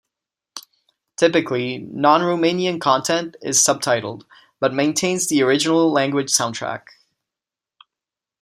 Typically, non-Romanian content is subtitled, but maintains the original language soundtrack.